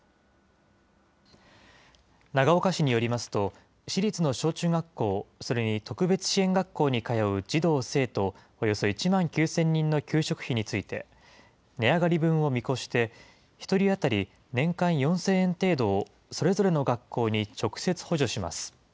長岡市によりますと、市立の小中学校、それに特別支援学校に通う児童・生徒およそ１万９０００人の給食費について、値上がり分を見越して、１人当たり年間４０００円程度を、それぞれの学校に直接、補助します。